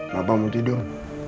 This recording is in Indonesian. bapak mau tidur